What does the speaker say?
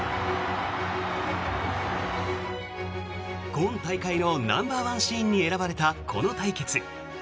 今大会のナンバーワンシーンに選ばれた、この対決。